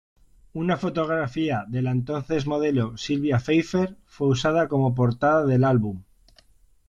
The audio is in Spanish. Una fotografía de la entonces modelo Sílvia Pfeifer fue usada como portada del álbum.